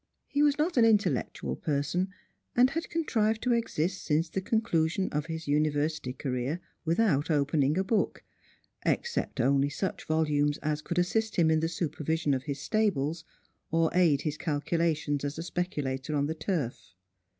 He was not an intellectual person, and had contrived to exist since the conclusion of his university career without opening a book, except only such volumes as could assist him in the supervision of his stables, or aid his calculations as a speculator on the turf.